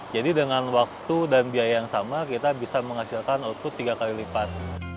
jadi dengan waktu dan biaya yang sama kita bisa menghasilkan output tiga kali lipat